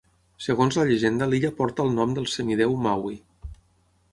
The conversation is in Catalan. Segons la llegenda l'illa porta el nom del semidéu Maui.